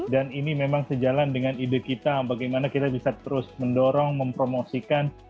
dan ini memang sejalan dengan ide kita bagaimana kita bisa terus mendorong mempromosikan